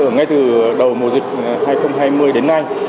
ngay từ đầu mùa dịch hai nghìn hai mươi đến nay